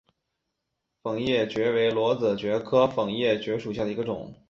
粉叶蕨为裸子蕨科粉叶蕨属下的一个种。